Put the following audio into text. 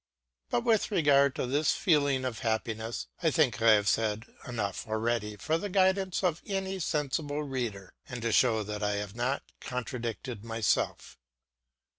But with regard to this feeling of happiness, I think I have said enough already for the guidance of any sensible reader, and to show that I have not contradicted myself.